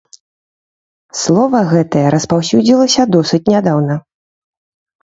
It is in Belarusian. Слова гэтае распаўсюдзілася досыць нядаўна.